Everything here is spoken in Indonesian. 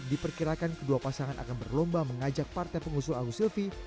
diperkirakan kedua pasangan akan berlomba mengajak partai pengusung agus silvi